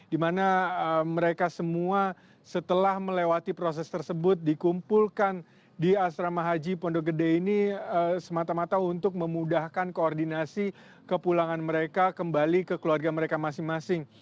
dimana mereka semua setelah melewati proses tersebut dikumpulkan di asrama haji pondok gede ini semata mata untuk memudahkan koordinasi kepulangan mereka kembali ke keluarga mereka masing masing